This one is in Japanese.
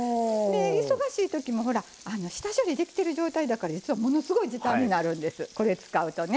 忙しい時もほら下処理できてる状態だから実はものすごい時短になるんですこれ使うとね。